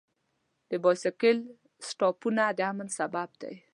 د بایسکل سټاپونه د امن سبب دی.